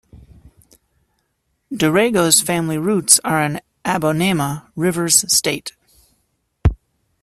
Darego's family roots are in Abonnema, Rivers State.